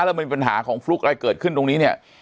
แล้วมันมีปัญหาของฟลุ๊กอะไรเกิดขึ้นตรงนี้เนี่ย